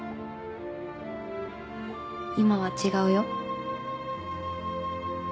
今は違うよ。